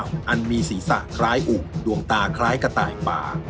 ก่อนเทพเจ้าอันมีศีรษะคล้ายอุกดวงตาคล้ายกระต่ายปาก